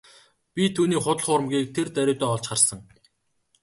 Би түүний худал хуурмагийг тэр даруйдаа олж харсан.